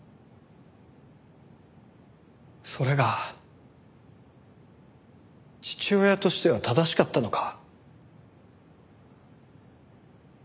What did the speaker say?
それが父親としては正しかったのか？